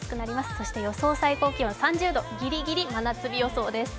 そして予想最高気温３０度、ギリギリ真夏日予想です。